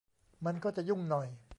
มันก็จะยุ่งหน่อย